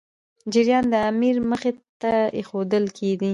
جریان د امیر مخي ته ایښودل کېدی.